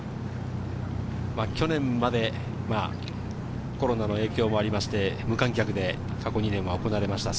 去年までコロナの影響もありまして、無観客で過去２年は行われました。